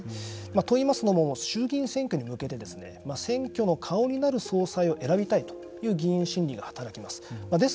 といいますのも衆議院選挙に向けて選挙の顔になる総裁を選びたいという議員心理が働きます。